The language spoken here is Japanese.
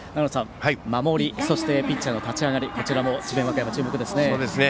守り、そしてピッチャーの立ち上がり立ち上がり、こちらも智弁和歌山、注目ですね。